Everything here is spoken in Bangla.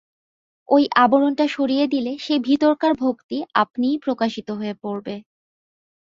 ঐ আবরণটা সরিয়ে দিলে সেই ভিতরকার ভক্তি আপনিই প্রকাশিত হয়ে পড়বে।